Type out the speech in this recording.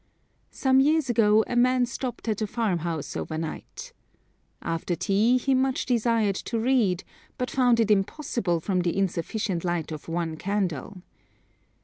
Some years ago a man stopped at a farm house over night. After tea he much desired to read, but found it impossible from the insufficient light of one candle.